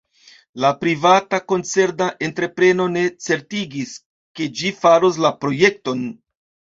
La privata koncerna entrepreno ne certigis, ke ĝi faros la projekton.